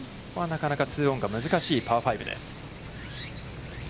なかなかツーオンが難しいパー５です。